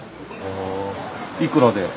いくらで？